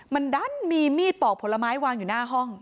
มันดันมีมีดปอกผลไม้วางอยู่หน้าห้อง